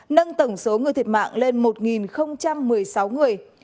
nâng tổng số người thiệt mạng lên một một mươi sáu người